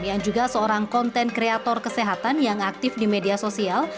yang juga seorang konten kreator kesehatan yang aktif di media sosial